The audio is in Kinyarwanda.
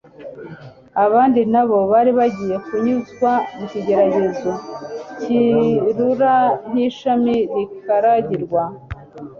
abandi na bo bari bagiye kunyuzwa mu kigeragezo kirura nk'ishami rikaragirwa.